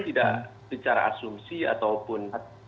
tidak secara asumsi ataupun